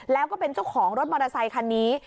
แล้วก็เป็นเจ้าของรถมอเตอร์ไซคันนี้